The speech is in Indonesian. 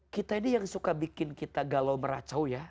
kita ini yang suka bikin kita galau meracau ya